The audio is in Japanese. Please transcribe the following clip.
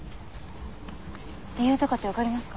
理由とかって分かりますか？